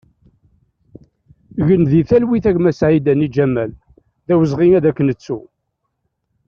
Gen di talwit a gma Saïdani Ǧamel, d awezɣi ad k-nettu!